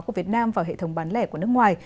của việt nam vào hệ thống bán lẻ của nước ngoài